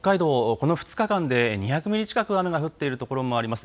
この２日間で２００ミリ近く雨が降っているところもあります。